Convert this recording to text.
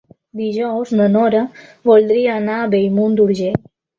Dijous na Nora voldria anar a Bellmunt d'Urgell.